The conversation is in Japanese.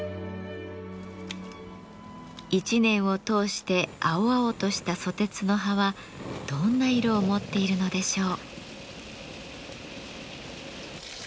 一年を通して青々としたソテツの葉はどんな色を持っているのでしょう。